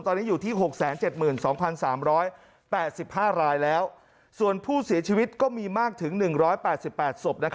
ตอนนี้อยู่ที่๖๗๒๓๘๕รายแล้วส่วนผู้เสียชีวิตก็มีมากถึง๑๘๘ศพ